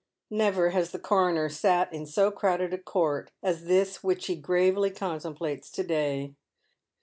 Never has the coroner sat in so crowded a court as this which he gravely contemplates to day.